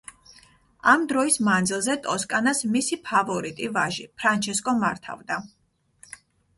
ამ დროის მანძილზე ტოსკანას მისი ფავორიტი ვაჟი, ფრანჩესკო მართავდა.